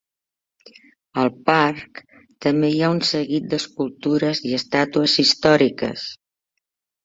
Al parc, també hi ha un seguit d'escultures i estàtues històriques.